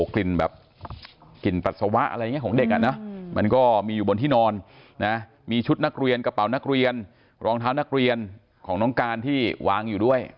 กลิ่นแบบกลิ่นปัสสาวะอะไรอย่างนี้ของเด็กมันก็มีอยู่บนที่นอนนะมีชุดนักเรียนกระเป๋านักเรียนรองเท้านักเรียนของน้องการที่วางอยู่ด้วย